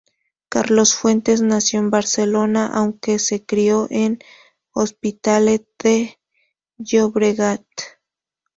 Carlos Fuentes nació en Barcelona, aunque se crio en Hospitalet de Llobregat.